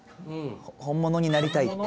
本物になりたいっていう。